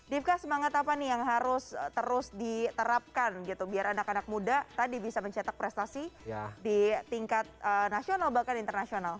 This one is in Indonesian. divka semangat apa nih yang harus terus diterapkan gitu biar anak anak muda tadi bisa mencetak prestasi di tingkat nasional bahkan internasional